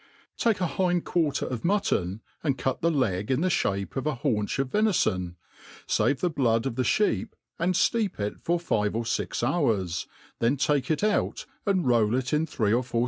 Take a hm(i*>quarier of mutton, and cut the teg in thb' (hape of a haunch of vcnifo.n, fav^ the blood of the Iheep and fieep it for five or fix hours, then take it out and roll it in three br four.